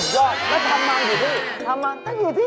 สุดยอดแล้วทำไมอยู่ที่